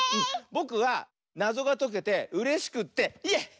ぼくはなぞがとけてうれしくってイエイ！